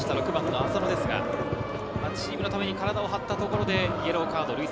６番の浅野ですが、チームのために体を張ったところでイエローカード累積